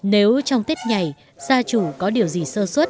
nếu trong tết nhảy gia chủ có điều gì sơ xuất